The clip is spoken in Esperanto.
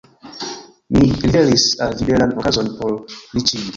Mi liveris al vi belan okazon por riĉiĝi.